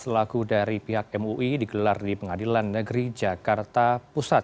selaku dari pihak mui digelar di pengadilan negeri jakarta pusat